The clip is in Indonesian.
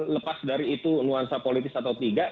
lepas dari itu nuansa politis satu tiga